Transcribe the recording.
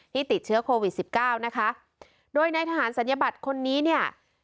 ที่ติดเชื้อโควิด๑๙นะคะโดยในทหารศัลยบัตรคนนี้เนี่ย